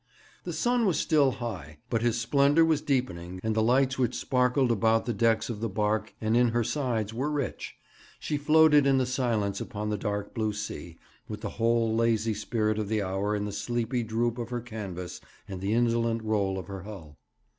The sun was still high, but his splendour was deepening, and the lights which sparkled about the decks of the barque and in her sides were rich; she floated in the silence upon the dark blue sea, with the whole lazy spirit of the hour in the sleepy droop of her canvas and the indolent roll of her hull.